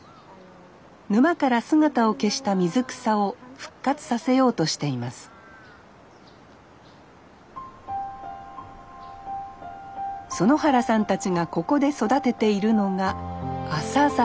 沼から姿を消した水草を復活させようとしています園原さんたちがここで育てているのがアサザ。